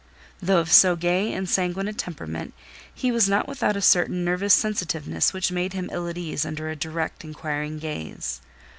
Though of so gay and sanguine a temperament, he was not without a certain nervous sensitiveness which made him ill at ease under a direct, inquiring gaze.